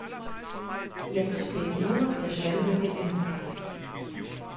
Jetzt fehlt nur noch der Stempel im Impfpass.